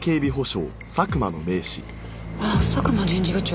あっ佐久間人事部長。